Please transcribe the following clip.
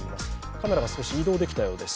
カメラが少し移動できたようです